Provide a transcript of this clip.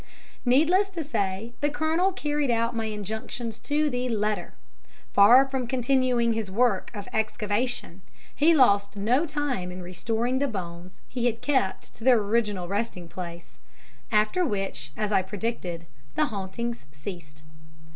Needless to say the Colonel carried out my injunctions to the letter. Far from continuing his work of excavation he lost no time in restoring the bones he had kept to their original resting place; after which, as I predicted, the hauntings ceased.